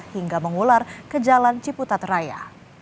hingga mengular ke jalan ciputat raya